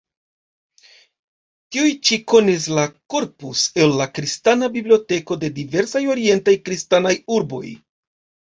Tiuj ĉi konis la "Corpus" el la kristana bibliotekoj de diversaj orientaj kristanaj urboj.